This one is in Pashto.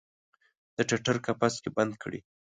د ټټر قفس کې بند کړي